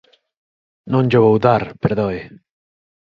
Non llo vou dar, perdoe.